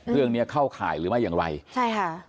เรื่องเนี้ยเข้าข่ายหรือไม่อย่างไรใช่ค่ะ